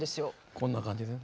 こんな感じでね。